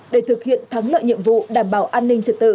để thực hiện thắng lợi nhiệm vụ đảm bảo an ninh trật tự